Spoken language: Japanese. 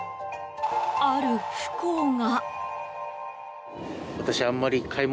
ある不幸が。